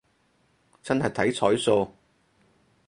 真係睇彩數